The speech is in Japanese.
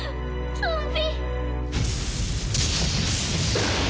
ゾンビ！